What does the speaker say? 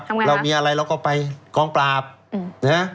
ทำอย่างไรครับแล้วเราก็ไปกองปลาบนี่ฮะ